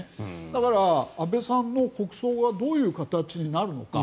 だから、安倍さんも国葬がどういう形になるのか。